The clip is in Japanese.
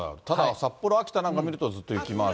札幌、秋田なんか見ると、ずっと雪マーク。